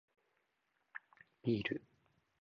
ビール